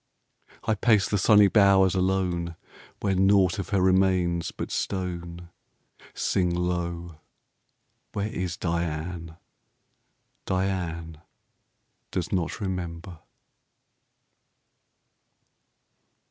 I pace the sunny bowers alone Where nought of her remains but stone. Sing low where is Diane? Diane does not remember.